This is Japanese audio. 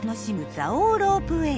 蔵王ロープウェイ。